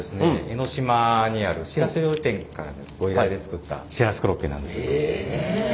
江の島にあるシラス料理店からのご依頼で作ったシラスコロッケなんです。